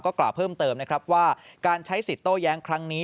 กล่าวเพิ่มเติมนะครับว่าการใช้สิทธิ์โต้แย้งครั้งนี้